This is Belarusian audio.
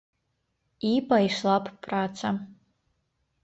І пайшла б праца.